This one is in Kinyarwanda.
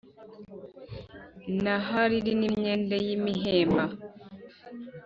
na hariri n’imyenda y’imihemba,